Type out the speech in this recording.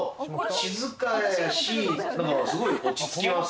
静かやし、すごい落ち着きます。